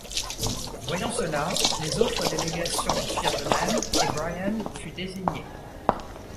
Voyant cela, les autres délégations firent de même et Bryan fut désigné.